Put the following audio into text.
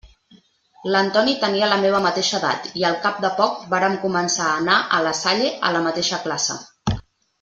L'Antoni tenia la meva mateixa edat, i al cap de poc vàrem començar a anar a la Salle a la mateixa classe.